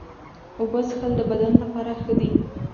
اوبه څښل د بدن لپاره ښه دي.